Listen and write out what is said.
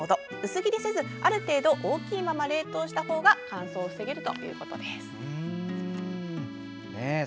薄切りせず、ある程度大きいまま冷凍したほうが乾燥防げるということでした。